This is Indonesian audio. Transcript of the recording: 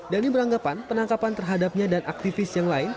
dhani beranggapan penangkapan terhadapnya dan aktivis yang lain